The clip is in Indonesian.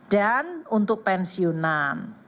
dan untuk pensiunan